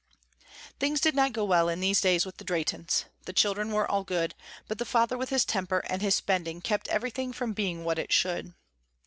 Things did not go well in these days with the Drehtens. The children were all good, but the father with his temper and his spending kept everything from being what it should.